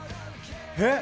えっ？